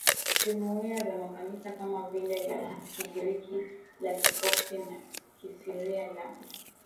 jumuiya za makanisa kama vile la Kigiriki la Kikopti la Kisiria la